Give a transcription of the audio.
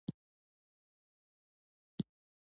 کندهار د افغانانو ژوند اغېزمن کوي.